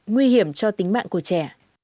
nguy hiểm cho tính mạng của trẻ